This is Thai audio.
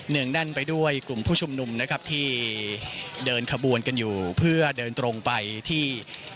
งแน่นไปด้วยกลุ่มผู้ชุมนุมนะครับที่เดินขบวนกันอยู่เพื่อเดินตรงไปที่